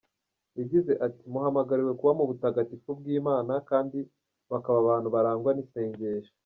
Yagize ati « Muhamagariwe kuba mu butagatifu bw’Imana, kandi bakaba abantu barangwa n’isengesho .